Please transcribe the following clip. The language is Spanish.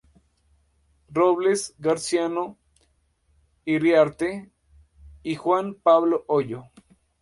Robles, Graciano Iriarte y Juan Pablo Ollo.